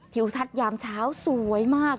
ทัศนยามเช้าสวยมาก